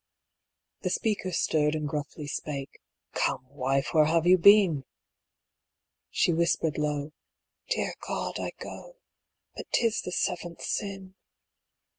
The speaker stirred and gruffly spake, "Come, wife, where have you been?" She whispered low, "Dear God, I go But 'tis the seventh sin."